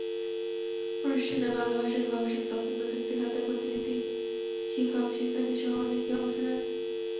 অনুষ্ঠানে বাংলা ভাষার গবেষক, তথ্যপ্রযুক্তি খাতের প্রতিনিধি, শিক্ষক, শিক্ষার্থীসহ অনেকেই অংশ নেন।